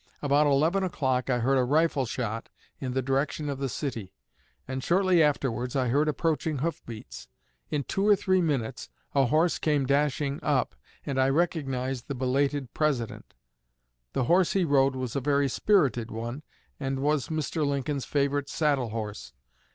About eleven o'clock I heard a rifle shot in the direction of the city, and shortly afterwards I heard approaching hoof beats. In two or three minutes a horse came dashing up, and I recognized the belated President. The horse he rode was a very spirited one, and was Mr. Lincoln's favorite saddle horse.